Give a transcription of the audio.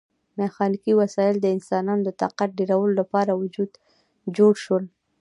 میخانیکي وسایل د انسانانو د طاقت ډیرولو لپاره جوړ شول.